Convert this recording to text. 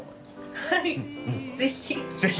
はいぜひ。